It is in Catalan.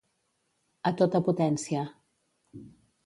A tota potència.